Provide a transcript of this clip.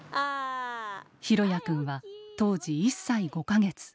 寛也くんは当時１歳５か月。